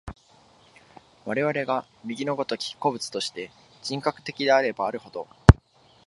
我々が右の如き個物として、人格的であればあるほど、